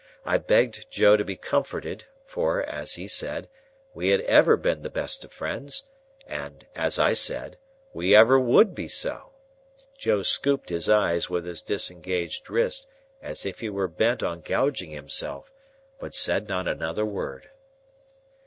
I begged Joe to be comforted, for (as he said) we had ever been the best of friends, and (as I said) we ever would be so. Joe scooped his eyes with his disengaged wrist, as if he were bent on gouging himself, but said not another word. Mr.